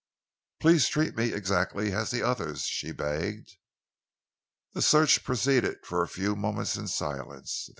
"Please treat me exactly as the others," she begged. The search proceeded for a few moments in silence.